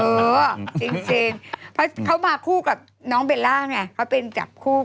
เออจริงเพราะเขามาคู่กับน้องเบลล่าไงเขาเป็นจับคู่กับน้องเบลล่า